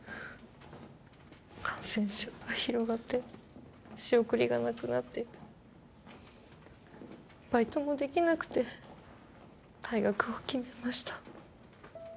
感染症が広がって仕送りがなくなってバイトもできなくて退学を決めました